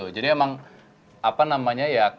jadi emang apa namanya ya